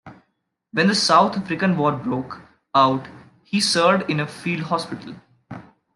When the South African War broke out he served in a Field Hospital.